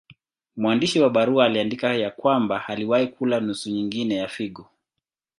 Mwandishi wa barua aliandika ya kwamba aliwahi kula nusu nyingine ya figo.